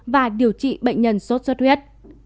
và điều trị bệnh nhân sốt xuất huyết